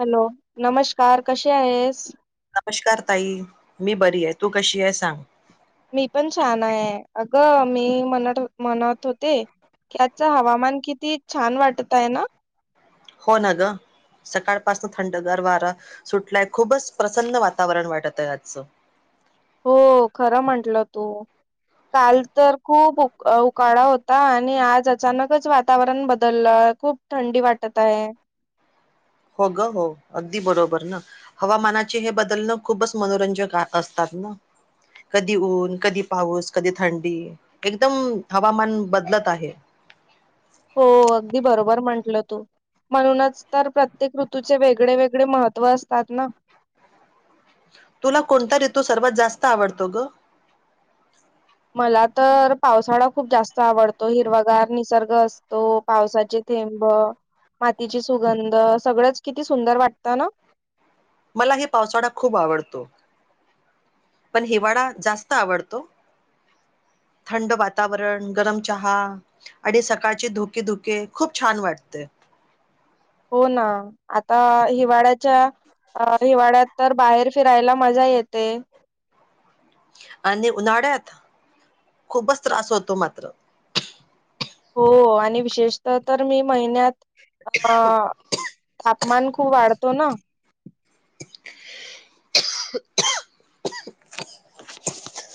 Hello नमस्कार कसे आहेस नमस्कार ताई मी बरी आहे तू कशी आहे सांग मी पण छान आहे अगं मी मनात म्हणत होती, की आजच हवामान किती छान वाटत आहे ना? हो ना ग! सकाळपासन थंडगार वारा सुटलाय खूपच प्रसन्न वातावरण वाटत आहे आजच. हो खरं म्हंटलं तू. काल तर खूप उकाडा होता आणि आज अचानकच वातावरण बदललं. खूप थंडी वाटत आहे. हो ग हो अगदी बरोबर ना हवामानाचे हे बदलणं खूपच मनोरंजक असतात. [inaudible] कधी ऊन कधी पाऊस कधी थंडी एकदम हवामान बदलत आहे. हो अगदी बरोबर म्हटलं तू. म्हणूनच तर प्रत्येक ऋतूचे वेगळे वेगळे महत्त्व असतात ना? [inaudible] तुला कोणता ऋतू सर्वात जास्त आवडतो ग? मला तर पावसाळा खूप जास्त आवडतो. हिरवागार निसर्ग असतो. पावसाचे थेंब. मातीची सुगंध सगळ्यांच किती सुंदर वाटत ना? मला हे पावसाळा खूप आवडतो. पण हिवाळा जास्त आवडतो. [inaudible] थंड वातावरण गरम चहा आणि सकाळचे धुके -धुके खूप छान वाटते. हो ना आता हिवाळ्याच्या हिवाळ्यात. तर बाहेर फिरायला मजा येते. आणि उन्हाळ्यात खूपच त्रास होतो मात्र. हो आणि विशेषतः तर मी महिन्यात तापमान खूप वाढतो ना? काही दिवसात ना खूपच त्रास होतो.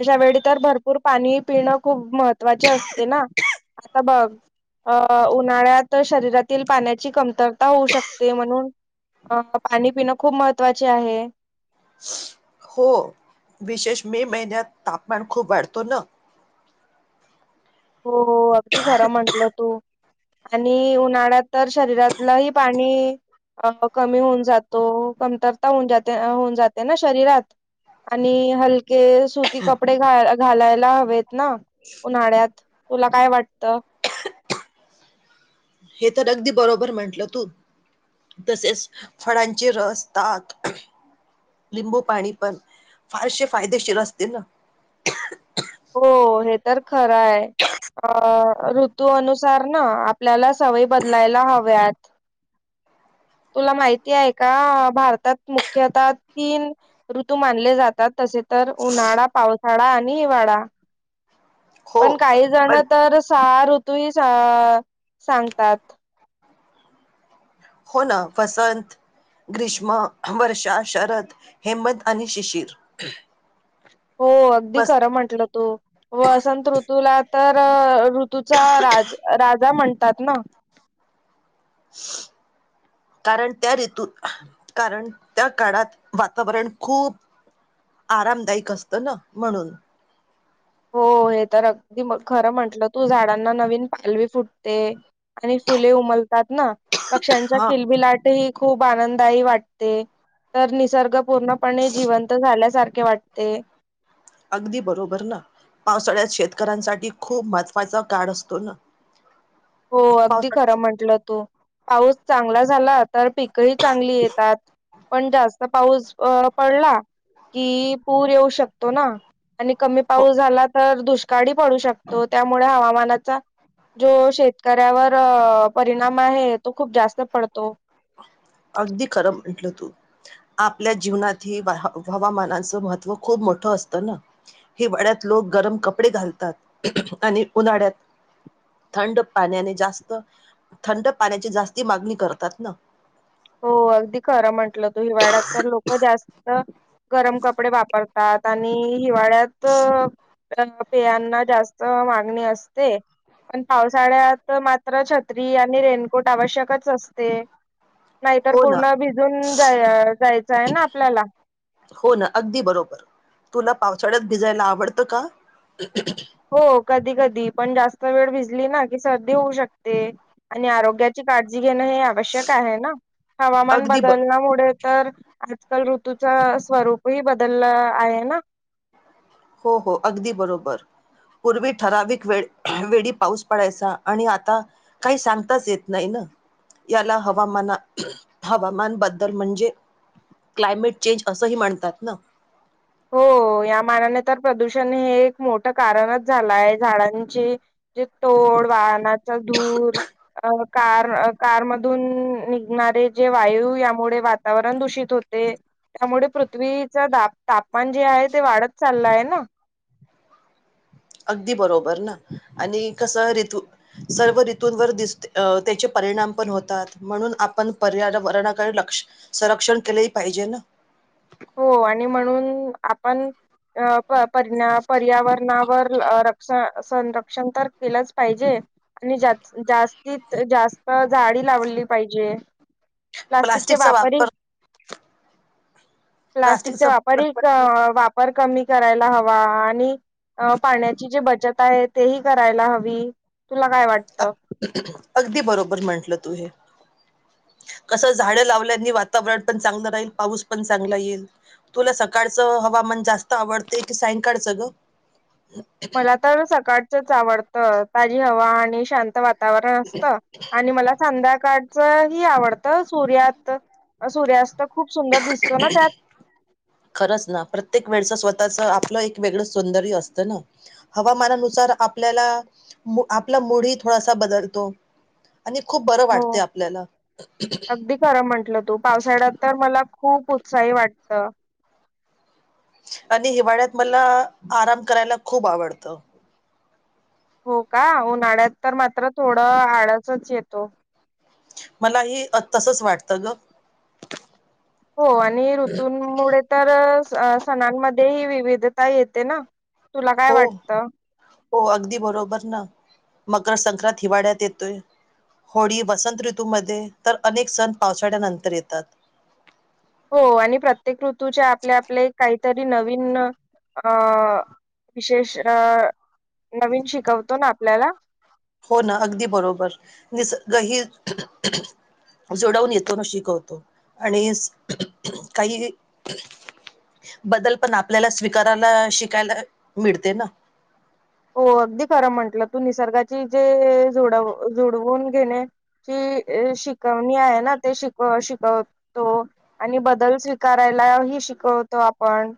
अशा वेळी तर भरपूर पाणी पिणं खूप महत्वाचे असते ना? आता बघ अं उन्हाळ्यात शरीरातील पाण्याची कमतरता होऊ शकते म्हणून अं पाणी पिणं खूप महत्त्वाचे आहे. [unintelligible] हो विशेष मे महिन्यात तापमान खूप वाढतो ना? हो हो अगदी खरं म्हंटलं तू. आणि उन्हाळ्यात तर शरीरातलंही पाणी अं कमी होऊन जातो कमतरता होऊन जाते होऊन जाते ना शरीरात आणि हलके सुती कपडे घातलायला हवेत ना उन्हाळ्यात? तुला काय वाटत? हे तर अगदी बरोबर म्हंटलं तू. तसेच फळांचे रसतात लिंबू पाणी पण फारशे फायदेशीर असते ना. हो हे तर खरं हाय. अ ऋतू अनुसार ना आपल्याला सवयी बदलायला हव्यात. ब्लॅक [inaudible] तुला माहिती आहे का? भारतात मुख्यतः तीन ऋतू मानले जातात तसेच तर उन्हाळा, पावसाळा आणि हिवाळा. हो पण काही जण पण तर सहा ऋतू ही सांगतात. हो ना वसंत ग्रीष्म, वर्षा, शरद, हेमंत आणि शिशिर. हो अगदी बस खरं म्हटलं तू वसंत ऋतूला तर ऋतूचा राज राजा म्हणतात ना? [inaudible] कारण त्या ऋतू, कारण त्या काळात वातावरण खूप आरामदायक असतं ना म्हणून. हो हे तर अगदी खरं म्हंटलं तू, झाडांना नवीन पालवी फुटते. आणि फुले उमलतात ना. पक्ष्यांच्या हा खिलबिलाट ही खूप आनंदायी वाटते. तर निसर्ग पूर्णपणे जिवंत झाल्यासारखे वाटते. आगदी बरोबर ना. पावसाळ्यात शेतकऱ्यांसाठी खूप महत्त्वाचा काड असतो ना. हो अगदी पावसाळ्यात खरं म्हंटलं तू. पाऊस चांगला झाला तर पीकही चांगली येतात. पण जास्त पाऊस अ पडला की पूर येऊ शकतो ना. आणि कमी हो पाऊस झाला तर दुष्काडी पडू शकतो. त्यामुळे हवामानाचा जो शेत कर्यावर परिणाम आहे तो खूप जास्त पडतो. अगदी खरं म्हटलं तू, आपल्या जीवनात हे ब ह हवामानाचं महत्त्व खूप मोठं असतं ना. हिवाळ्यात लोक गरम कपडे घालतात. आणि उन्हाड्यात थंड पाण्याने जास्त, थंड पाण्याची जास्ती मागणी करतात ना. हो अगदी खरं म्हंटलं तू, हिवाळ्यात तर लोक जास्त गरम कपडे वापरतात. त आणि हिवाळ्यात पेयांना जास्त मागणी असते. पण पावसाळ्यात मात्र छत्री आणि रेनकोट आवश्यकच असते. नाहीतर हो ना पूर्ण भिजून जाय जायचाय ना आपल्याला. हो ना अगदी बरोबर. तुला पावसाळ्यात भिजायला आवडतं का? हो कधी कधी पण जास्त वेळ भिजली ना की सर्दी होऊ शकते. आणि आरोग्याची काजी घेण हे आवश्यक आहे ना. हवामान अगदी ब बदलण्यामुडे तर आजकाल ऋतूचा स्वरूपही बदललं आहे ना. हो-हो अगदी बरोबर. पूर्वी ठराविक वेळ वेडी पाऊस पडायचा, आणि आता काही सांगताच येत नाही ना. याला हवामाना हवामानबद्दल म्हणजे क्लायमेट चेंज असंही म्हणतात ना. हो या मानाने तर प्रदूषण हे एक मोठं कारणच झालाय झाडांचे जे टो ओड वाहनाचा धूर. अ कार कारमधून निघणारे जे वायू यामुडे वातावरण दूषित होत् ते त्यामुळे पृथ्वीच दाप तापमान जे आहे ते वाढत चाललं आहे ना‌. अगदी बरोबर ना, आणि कसं ऋतु सर्व ऋतुंवर दिसते अं त्याचे पा परिणाम पण होतात म्हणून आप‌. ण पर्यारवरणा कडे लक्ष्य संरक्षण केलेही पाहिजे ना हो आणि म्हणून आपण अं प परना पर्यावरणावर रक्ष संरक्षण तर केलंच पाहिजे. आणि जास्तीत जास्त झाडी लावली पाहिजे. प्लास्टिक च प्लास्टिकचा वापरीन वापर प्लास्टिकचा वापरही वापर क पण वापर कमी करायला हवा आणि अं पाण्याची जे बचत आहे ते ही करायला हवी. तुला काय वाटतं? अगदी बरोबर म्हटलं तू हे. कसं झाडं लावल्यानी वातावरण पण चांगलं राहील, पाऊस पण चांगला येईल. तुला सकाडचं हवामान जास्त आवडते की सायंकाडचं गं. मला तर सकाळचंच आवडतं, ताजी हवा आणि शांत वात तावरण असतं, आणि मला संध्याकाळचं ही आवडतं सूर्यात सूर्यास्त खूप सुंदर दिसतो ना त्यात. कसं आपलं एक वेग सौंदर्य असत ना. हवामानानुसार आपल्याला मो आपलं ला मूड ही थडासा बदलतो. [inaudible] आणि खूप बरं हो वाटते आपल्याला. तो पावसाळ्यात तर मला खूप उत्साही वाटत. आणि हिवाळ्यात मला आराम करायला खूप आवडत. हो का उन्हाळ्यात तर मात्र थोडं आळसच येतो. मला ही तसच वाटतं ग. हो आणि ऋतूमुळे तर सणांमध्ये ही विविधता येते ना. तुला काय हो वाटतं? हो अगदी बरोबर ना. मकर संक्रांत हिवाळ्यात येतोय. होळी वसंत ऋतूमध्ये तर अनेक सण पावसाळ्यानंतर येतात. हो आणि प्रत्येक ऋतूच्या आपले आपले काहीतरी नवीन अ विशेष अ नवीन शिकवतो ना आपल्याला. हो ना अगदी बरोबर जसं ग ही जोडवून येतो ना शिकवतो आणि काही, बदल पण आपल्याला स्वीकारायला शिकायला मिळते ना. हो अगदी खरं म्हंटलं तू निसर्गाची जेड जुडवून घेन्याची, शिकवणी आहे ना ते श शिकवतो आणि बदल स्वीकारायला ही शवतो आपण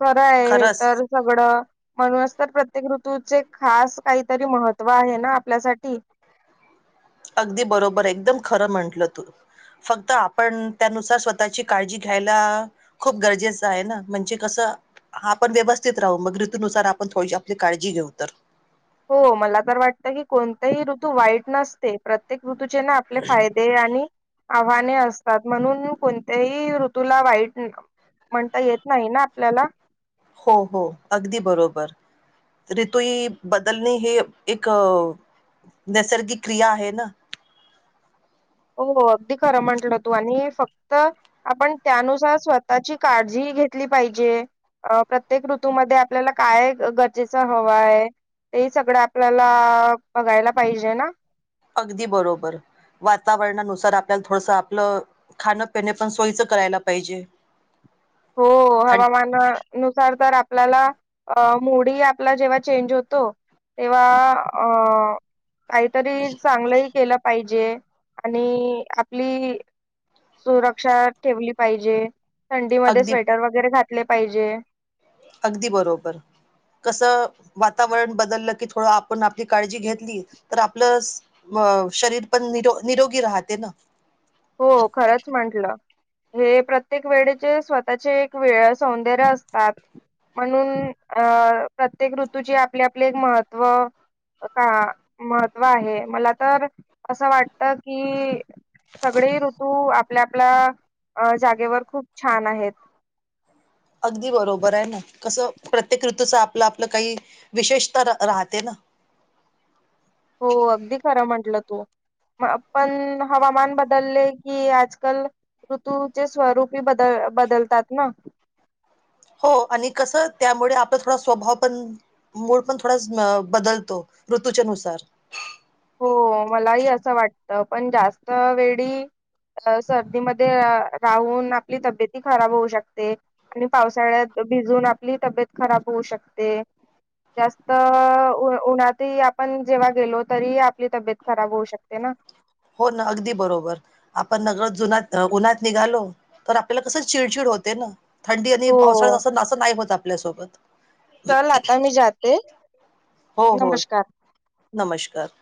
खर हाय हे खरंच तर सगळं, म्हणूनच तर प्र प्रत्येक ऋतूचे खास काहीतरी महत्त्व आहे ना आपल्यासाठी. अगदी बरोबर एकदम खरं म्हटलं तू. फक्त आपण त्यानुसार स्वतःची काळजी घ्यायला खूप गरजेचं आहे ना म्हणजे कसं. हा आपण व्यवस्थित राहू मग ऋतनुसार आपण थोडीशी आपली काळजी घेऊ तर. हो मला तर वाटत की कोणतेही ऋतू वाईट नसते प्रत्येक. ऋतूचे ना आपले फायदे आणि, आव्हाने असतात म्हणून कोणत्याही ऋतूला वाईट म्हणता येत नाही ना आपल्याला. हो हो अगदी बरोबर. रितुई बदलणे हे एक. नैसर्गिक क्रिया आहे ना. हो अगदी खरं म्हंटलं तू आणि फक्त आपण त्यानुसार स्वतःची काळजी, घेतली पाहिजे अ प्रत्येक ऋतूमध्येध्ये आपल्याला काय गरजेच हवहाय. ते सगळं आपल्याला बघायला पाहिजे ना. अगदी बरोबर. वातावरणानुसार आपल्याला थोडसं आपलं खाणंपिणे पण सोयीचं करायला पाहिजे. हो थं हवामानानुसार तर आप आपल्याला [inaudible] [unintelligible] [unintelligible] अगदी थंडीमध्येध्ये [inaudible] [inaudible] कस [unintelligible] अ शरीर पण निरोगी राहते [inaudible] ना हो हे प्रत्येक वेळेचे स्वतःचे एक वेगळे सौंदर्य असतात म्हणून का [unintelligible] सगळे अगदी हो अगदी खरं म्हटलं तू पण हवामान बदलले की आजकल [inaudible] ऋतु चे स्वरूप ही बदलतात ना हो आणि कसं त्यामुळे आपला स्वभाव पण आणि मूड पण थोडा बदलतो. ऋतूच्या नुसार [inaudible] हो मलाही असं वाटतं पण जास्त वेळी सर्दी मध्ये राहून आपली तब्येत ही खराब होऊ शकते आणि पावसाळ्यात भिजून आपली तब्येत खराब होऊ शकते जास्त उन्हात आपण जेव्हा गेलो तरीही आपली तब्येत खराब होऊ शकते ना हो ना अगदी बरोबर आपण नकळत जुना उन्हात निघालो तर आपल्याला कसं चिडचिडत होत. होते ना थंडी आणि हो पावसाळ्यां नाही होत आपल्यासोबत. चल आता मी जाते हो हो नमस्कार. [inaudible] नमस्कार!